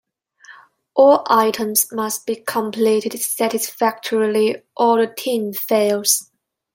All items must be completed satisfactorily or the team fails.